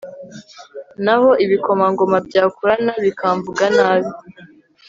n'aho ibikomangoma byakorana bikamvuga nabi,